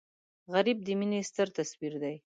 غریب د مینې ستر تصویر دی